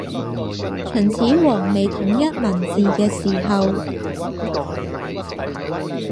秦始皇未統一文字嘅時候